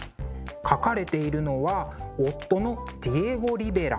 描かれているのは夫のディエゴ・リベラ。